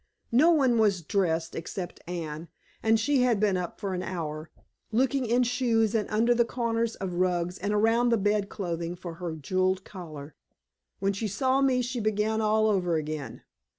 No one was dressed except Anne, and she had been up for an hour, looking in shoes and under the corners of rugs and around the bed clothing for her jeweled collar. When she saw me she began all over again.